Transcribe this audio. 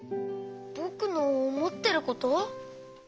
ぼくのおもってること。